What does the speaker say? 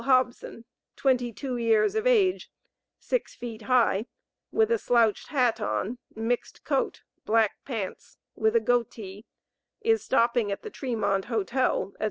Hobson, twenty two years of age, six feet high, with a slouched hat on, mixed coat, black pants, with a goatee, is stopping at the Tremont Hotel," &c.